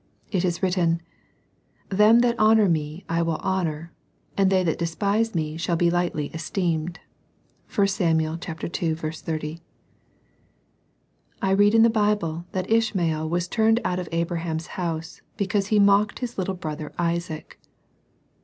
It is written, —" Them that honour Me I will honour, and they that despise Me shall be lightly esteemed." (i Sam. ii. 30.) I read in the Bible that Ishmael was turned out of Abraham's house because he mocked his little brother Isaac.